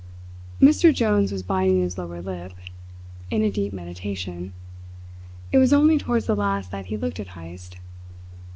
Mr Jones was biting his lower lip, in a deep meditation. It was only towards the last that he looked at Heyst.